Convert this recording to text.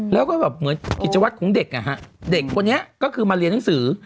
แล้วก็แบบเหมือนกิจวัตรของเด็กอ่ะฮะเด็กคนนี้ก็คือมาเรียนหนังสือ